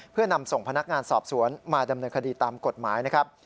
เพื่อนำส่งพนักงานสอบสวนมาดำเนินคดีตามกฎหมายนะครับ